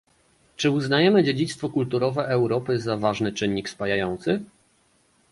Czy uznajemy dziedzictwo kulturowe Europy za ważny czynnik spajający?